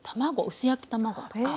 薄焼き卵とか。